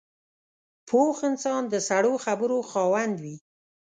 پوخ انسان د سړو خبرو خاوند وي